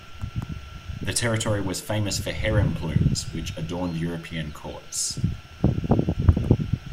The territory was famous for heron plumes, which adorned European courts.